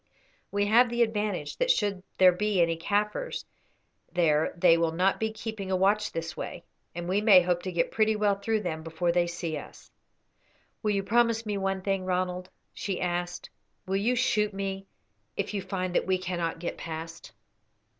We have the advantage that should there be any Kaffirs there they will not be keeping a watch this way, and we may hope to get pretty well through them before they see us." "Will you promise me one thing, Ronald?" she asked. "Will you shoot me if you find that we cannot get past?"